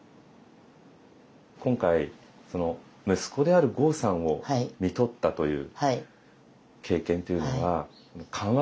今回息子である剛さんをみとったという経験っていうのは緩和